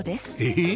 えっ！？